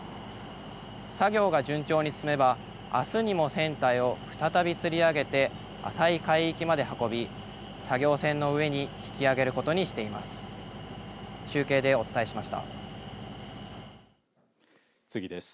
作業が順調に進めばあすにも船体を再びつり上げて浅い海域まで運び作業船の上に引き揚げることにしています。